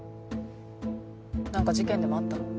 何か事件でもあった？